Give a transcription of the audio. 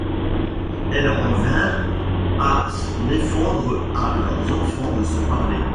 Elles en vinrent à défendre à leurs enfants de se parler.